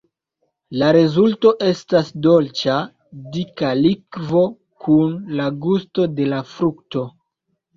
La rezulto estas dolĉa, dika likvo kun la gusto de la frukto.